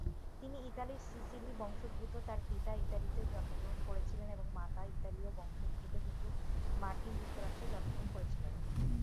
তিনি ইতালির সিসিলি বংশোদ্ভূত, তার পিতা ইতালিতে জন্মগ্রহণ করেছিলেন এবং মাতা ইতালীয় বংশোদ্ভূত, কিন্তু মার্কিন যুক্তরাষ্ট্রে জন্মগ্রহণ করেছিলেন।